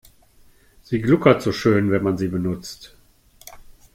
Sie gluckert so schön, wenn man sie benutzt.